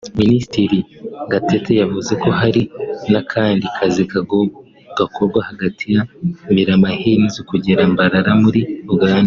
Minisitiri Gatete yavuze ko hari n’akandi kazi gakorwa hagati ya Mirama Hills kugera Mbarara muri Uganda